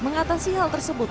mengatasi hal tersebut